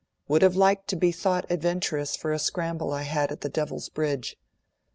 Would have liked to be thought adventurous for a scramble I had at the Devil's Bridge.